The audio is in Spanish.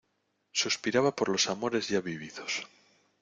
suspiraba por los amores ya vividos